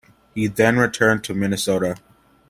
He then returned to Minnesota.